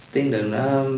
tiến đường đó